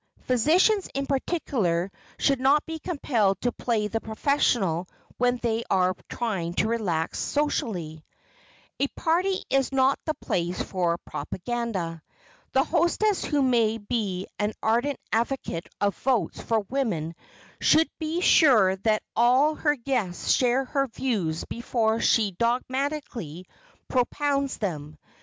Physicians in particular should not be compelled to play the professional when they are trying to relax socially. A party is not the place for propaganda. The hostess who may be an ardent advocate of votes for women should be sure that all her guests share her views before she dogmatically propounds them.